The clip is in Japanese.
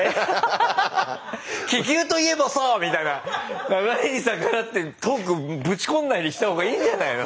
「気球といえばさあ！」みたいな流れに逆らってトークぶち込んだりした方がいいんじゃないの？